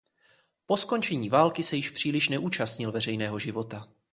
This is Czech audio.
Po skončení války se již příliš neúčastnil veřejného života.